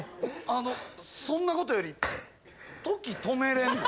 あのそんなことより時止めれんの？